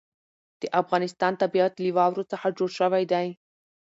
د افغانستان طبیعت له واورو څخه جوړ شوی دی.